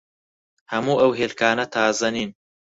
هەموو ئەو هێلکانە تازە نین.